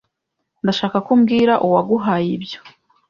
Ndashaka ko umbwira uwaguhaye ibyo.